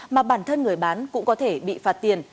mà bản thân người bán cũng có thể bị phạt tiền